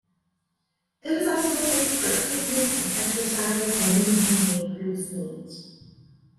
It is also a place for picnics and exercise, where many community groups meet.